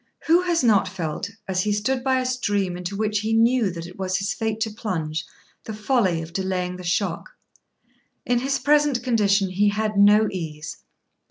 Who has not felt, as he stood by a stream into which he knew that it was his fate to plunge, the folly of delaying the shock? In his present condition he had no ease.